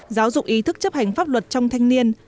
giáo dục ý thức chấp hành pháp luật trong thanh niên